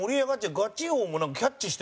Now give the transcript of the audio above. ガチ王も、なんかキャッチして。